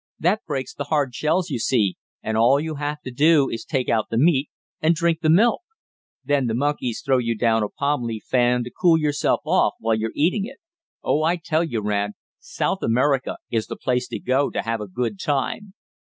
That breaks the hard shells you see, and all you have to do is to take out the meat, and drink the milk. Then the monkeys throw you down a palm leaf fan to cool yourself off, while you're eating it. Oh, I tell you, Rad, South America is the place to go to have a good time."